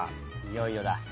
いよいよだ。